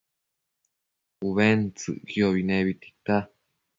ubentsëcquio nebi tita